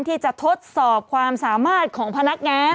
ทดสอบความสามารถของพนักงาน